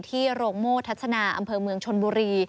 โรงโมทัศนาอำเภอเมืองชนบุรี